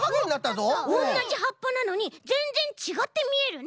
おんなじはっぱなのにぜんぜんちがってみえるね。